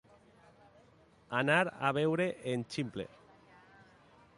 Anar a veure en Ximple.